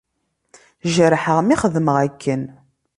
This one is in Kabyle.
Jerḥeɣ mi xedmeɣ akken.